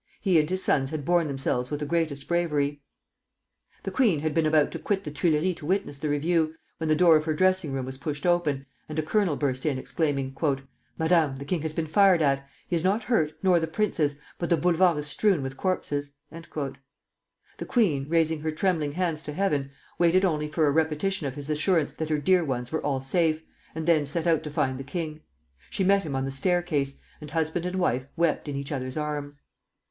He and his sons had borne themselves with the greatest bravery. The queen had been about to quit the Tuileries to witness the review, when the door of her dressing room was pushed open, and a colonel burst in, exclaiming: "Madame, the king has been fired at. He is not hurt, nor the princes, but the Boulevard is strewn with corpses." The queen, raising her trembling hands to heaven, waited only for a repetition of his assurance that her dear ones were all safe, and then set out to find the king. She met him on the staircase, and husband and wife wept in each other's arms.